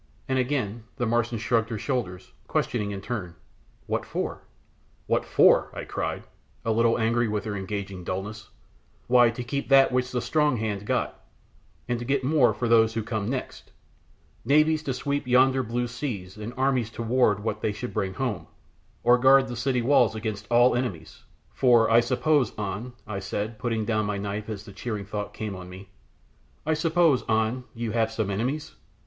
and again the Martian shrugged her shoulders, questioning in turn "What for?" "What for!" I cried, a little angry with her engaging dulness, "Why, to keep that which the strong hand got, and to get more for those who come next; navies to sweep yonder blue seas, and armies to ward what they should bring home, or guard the city walls against all enemies, for I suppose, An," I said, putting down my knife as the cheering thought came on me, "I suppose, An, you have some enemies?